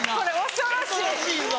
恐ろしいぞ。